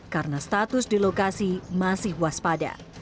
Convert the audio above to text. karena status di lokasi masih waspada